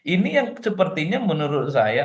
ini yang sepertinya menurut saya